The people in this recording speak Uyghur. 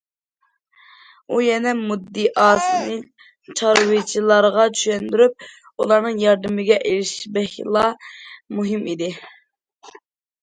ئۇ يەنە مۇددىئاسىنى چارۋىچىلارغا چۈشەندۈرۈپ، ئۇلارنىڭ ياردىمىگە ئېرىشىشى بەكلا مۇھىم ئىدى.